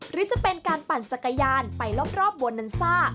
หรือจะเป็นการปั่นจักรยานไปรอบโบนันซ่า